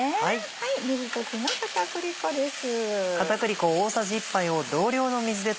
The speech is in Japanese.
水溶きの片栗粉です。